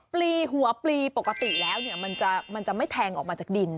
ปลีหัวปลีปกติแล้วมันจะไม่แทงออกมาจากดิน